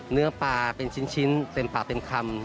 เนื้อปลาเป็นชิ้นเต็มปากเต็มคำ